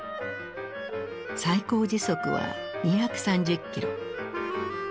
最高時速は２３０ｋｍ。